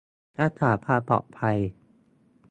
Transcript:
รักษาความปลอดภัย